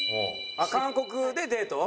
韓国でデート？